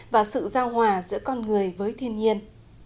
và sự giao hòa giữa con người với thiên nhiên